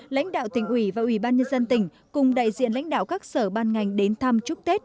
lãnh đạo tỉnh ủy và ủy ban nhân dân tỉnh cùng đại diện lãnh đạo các sở ban ngành đến thăm chúc tết